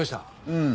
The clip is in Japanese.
うん。